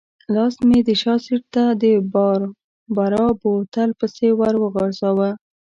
لاس مې د شا سېټ ته د باربرا بوتل پسې ورو غځاوه.